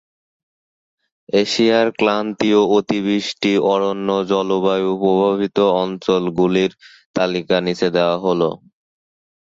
এশিয়ার ক্রান্তীয় অতিবৃষ্টি অরণ্য জলবায়ু প্রভাবিত অঞ্চলগুলির তালিকা নিচে দেওয়া হল,